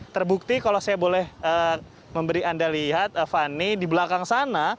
terbukti kalau saya boleh memberi anda lihat fani di belakang sana